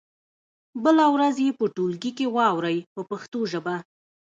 بله ورځ یې په ټولګي کې واورئ په پښتو ژبه.